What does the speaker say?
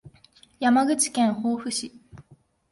山口県防府市